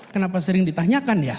kenapa sering ditanyakan ya